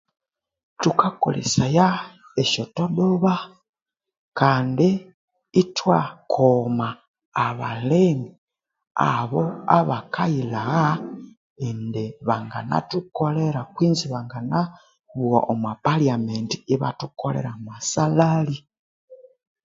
Thukakolesaya esya todoba kandi ithwa koma abalemi abo abakayilhagha indi banginathukolera kwinzi banganabugha omupalyamenti ibathukolera amasalhali